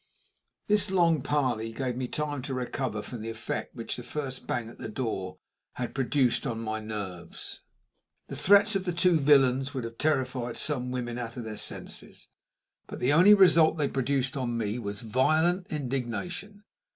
This long parley gave me time to recover from the effect which the first bang at the door had produced on my nerves. The threats of the two villains would have terrified some women out of their senses, but the only result they produced on me was violent indignation.